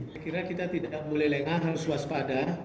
saya kira kita tidak boleh lengah harus waspada